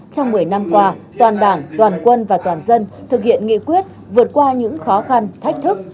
trong một mươi năm qua toàn đảng toàn quân và toàn dân thực hiện nghị quyết vượt qua những khó khăn thách thức